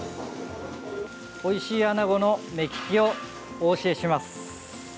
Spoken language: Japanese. おいしいアナゴの目利きをお教えします。